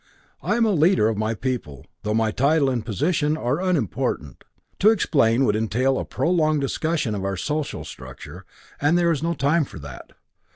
"I am a leader of my people though my title and position are unimportant. To explain would entail a prolonged discussion of our social structure, and there is no time for that.